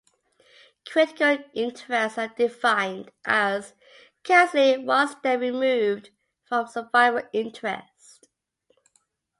Critical interests are defined as, "causally one step removed from survival interests".